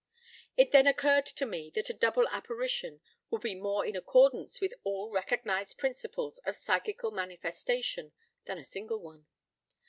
It then occurred to me that a double apparition would be more in accordance with all recognized principles of psychical manifestation than a single one.